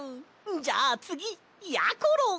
じゃあつぎやころ！